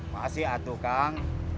masih aduh kang